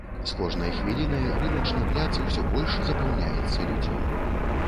З кожнай хвілінай рыначны пляц усё больш запаўняецца людзьмі.